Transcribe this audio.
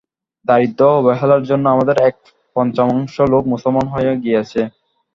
দারিদ্র্য ও অবহেলার জন্যই আমাদের এক-পঞ্চমাংশ লোক মুসলমান হইয়া গিয়াছে।